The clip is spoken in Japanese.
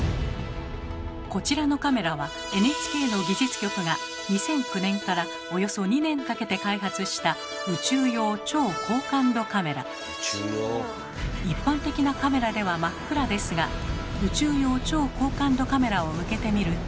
こちらのカメラはＮＨＫの技術局が２００９年からおよそ２年かけて開発した一般的なカメラでは真っ暗ですが宇宙用超高感度カメラを向けてみると。